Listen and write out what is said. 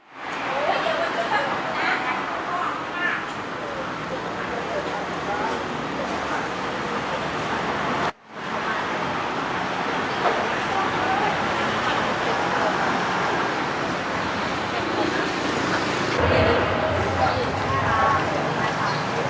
ให้ตัวนี้